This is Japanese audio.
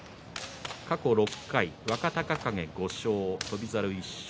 過去６回、若隆景５勝翔猿、１勝。